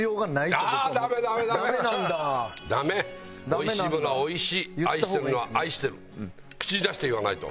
おいしいものは「おいしい」愛してるのは「愛してる」口に出して言わないと。